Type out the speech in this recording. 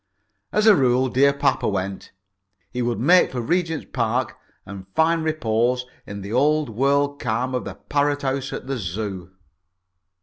As a rule, dear papa went. He would make for Regent's Park, and find repose in the old world calm of the parrot house at the Zoo.